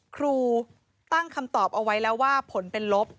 ครูตั้งคำตอบเอาไว้แล้วว่าผลเป็นลบ